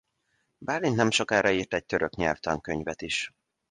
Bálint nemsokára írt egy török nyelvtankönyvet is.